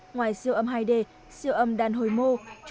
ngoài siêu âm hai d siêu âm đan hồi mô